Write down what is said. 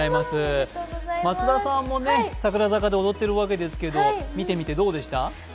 松田さんも、櫻坂で踊ってるわけですけど見てみてどうでした？